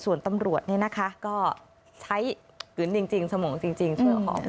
ส่วนตำรวจเนี่ยนะคะก็ใช้กึนจริงสมองจริงเสื้อหอม